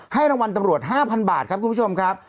รางวัลตำรวจ๕๐๐บาทครับคุณผู้ชมครับ